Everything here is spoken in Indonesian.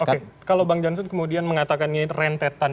oke kalau bang jansut kemudian mengatakan ini rentetan